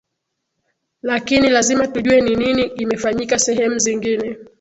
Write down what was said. lakini lazima tujue ni nini imefanyika sehemu zingine